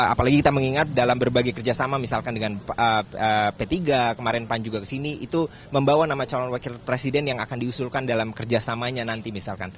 apalagi kita mengingat dalam berbagai kerjasama misalkan dengan p tiga kemarin pan juga kesini itu membawa nama calon wakil presiden yang akan diusulkan dalam kerjasamanya nanti misalkan